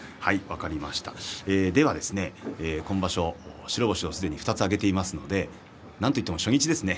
今場所、白星をすでに２つ挙げていますのでなんといっても初日ですね。